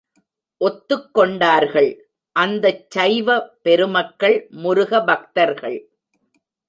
ஒத்துக்கொண்டார்கள், அந்தச் சைவ பெருமக்கள், முருக பக்தர்கள்.